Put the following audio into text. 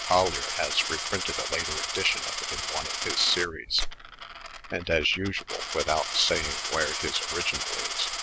Collier has reprinted a later edition of it in one of his Series, and, as , usual, without saying where his original is.